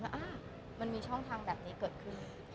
มันมีช่องทางแบบนี้เกิดขึ้น